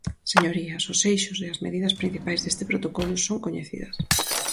Señorías, os eixos e as medidas principais deste protocolo son coñecidas.